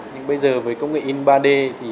nhưng bây giờ với công nghệ in ba d